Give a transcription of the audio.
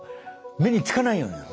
目につかないようになる。